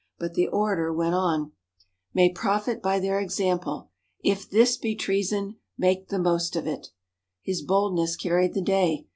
But the orator went on: " may profit by their example. If this be Treason, make the most of it!" His boldness carried the day.